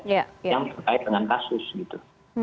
yang terkait dengan kasus gitu